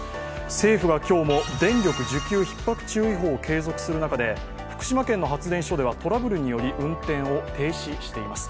政府は今日も電力需給ひっ迫注意報を継続する中で、福島県の発電所ではトラブルにより運転を停止しています。